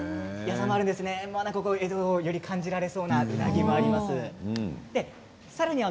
江戸を、より感じられそうなうなぎもあります。